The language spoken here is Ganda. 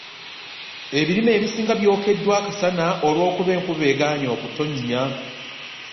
Ebirime ebisinga byokeddwa akasana olw'okuba enkuba egaanye okuttonnya.